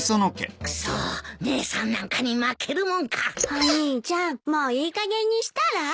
お兄ちゃんもういいかげんにしたら？